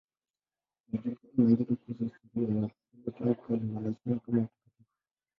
Hayajulikani mengine kuhusu historia yao, ila tangu kale wanaheshimiwa kama watakatifu.